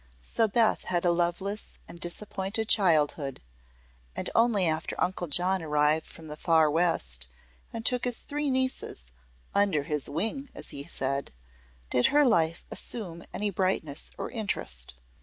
So Beth had a loveless and disappointed childhood, and only after Uncle John arrived from the far west and took his three nieces "under his wing," as he said, did her life assume any brightness or interest.